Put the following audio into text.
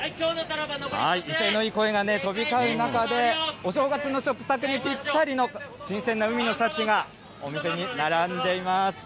威勢のいい声が飛び交う中で、お正月の食卓にぴったりの新鮮な海の幸が、お店に並んでいます。